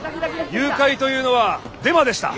誘拐というのはデマでした。